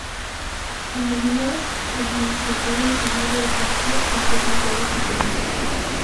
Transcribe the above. La Avenida de les Garrigas divide el barrio en dos mitades diferenciadas.